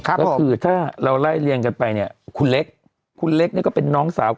ก็คือถ้าเราไล่เรียงกันไปเนี่ยคุณเล็กคุณเล็กเนี่ยก็เป็นน้องสาว